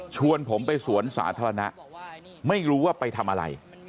ชวนผมไปสวนสาธารณะไม่รู้ว่าไปทำอะไร